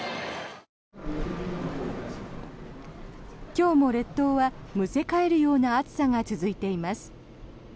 今日も列島はむせ返るような暑さが続いています。